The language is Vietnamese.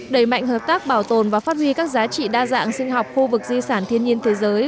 đẩy mạnh hợp tác bảo tồn và phát huy các giá trị đa dạng sinh học khu vực di sản thiên nhiên thế giới